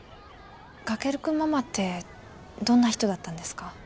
翔君ママってどんな人だったんですか？